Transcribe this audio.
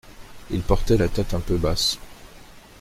Il portait la tête un peu basse.